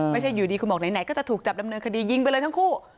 ไม่ใช่อยู่ดีคุณบอกไหนก็จะถูกจับดำเนินคดียิงไปเลยทั้งคู่